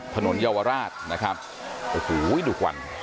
เยาวราชนะครับโอ้โหดุวัน